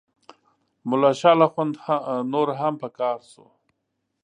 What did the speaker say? ملا شال اخند نور هم په قهر شو.